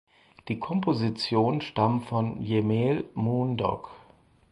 Die Kompositionen stammen von Jemeel Moondoc.